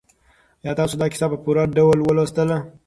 آیا تاسو دا کیسه په پوره ډول ولوستله؟